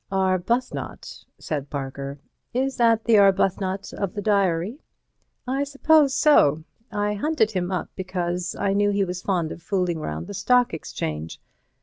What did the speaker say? "Arbuthnot?" said Parker, "is that the Arbuthnot of the diary?" "I suppose so. I hunted him up because I knew he was fond of fooling round the Stock Exchange.